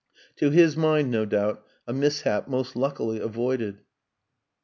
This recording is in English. To his mind, no doubt, a mishap most luckily avoided.